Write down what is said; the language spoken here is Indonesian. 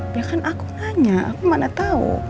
ya kan aku nanya aku mana tau